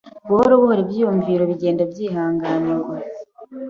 Buhoro buhoro ibyumviro bigenda byihanganirwa